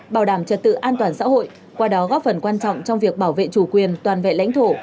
bảo đảm trật tự an toàn xã hội qua đó góp phần quan trọng trong việc bảo vệ chủ quyền toàn vẹn lãnh thổ